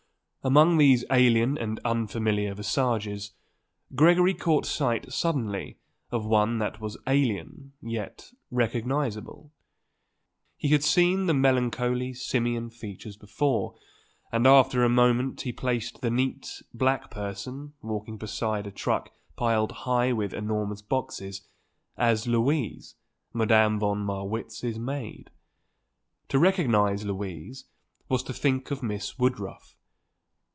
Among these alien and unfamiliar visages, Gregory caught sight suddenly of one that was alien yet recognizable. He had seen the melancholy, simian features before, and after a moment he placed the neat, black person, walking beside a truck piled high with enormous boxes, as Louise, Madame von Marwitz's maid. To recognise Louise was to think of Miss Woodruff.